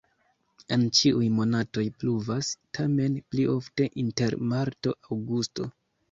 En ĉiuj monatoj pluvas, tamen pli ofte inter marto-aŭgusto.